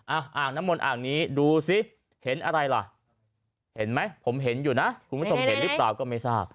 อ่างน้ำมนอ่างนี้ดูสิเห็นอะไรล่ะเห็นไหมผมเห็นอยู่นะคุณผู้ชมเห็นหรือเปล่าก็ไม่ทราบ